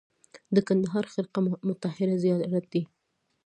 د کندهار خرقه مطهره زیارت دی